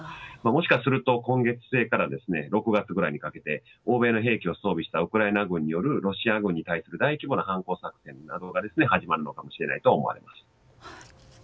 もしかすると今月末から６月ぐらいにかけて欧米の兵器を装備したウクライナ軍によるロシア軍に対する大規模な反抗策というのが始まるのではないかとみられます。